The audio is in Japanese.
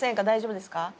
大丈夫ですか？